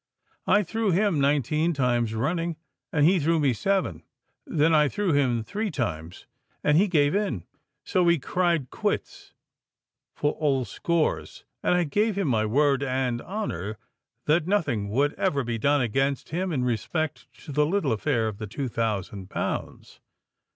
I threw him nineteen times running, and he threw me seven; then I threw him three times—and he gave in. So we cried 'quits' for old scores, and I gave him my word and honour that nothing would ever be done against him in respect to the little affair of the two thousand pounds.